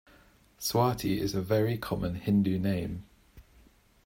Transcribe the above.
Swati is a very common Hindu name.